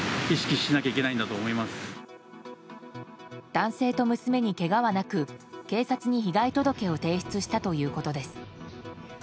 男性と娘にけがはなく警察に被害届を提出したということです。